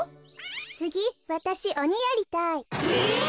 つぎわたしおにやりたい。え！？